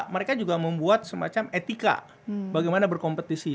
mereka juga membuat semacam etika bagaimana berkompetisi